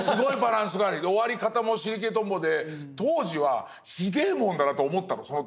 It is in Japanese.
終わり方も尻切れトンボで当時はひでえものだなと思ったのその時は。